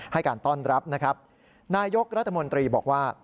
ให้การต้อนรับนายยกรัฐมนตรีบอกว่า